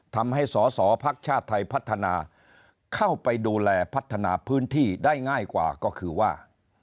ทำให้สอสอภักดิ์ชาติไทยพัฒนาเข้าไปดูแลพัฒนาพื้นที่ได้ง่ายกว่าก็คือว่า